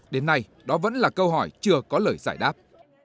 đến nay đó vẫn là câu hỏi chưa có lời giải đáp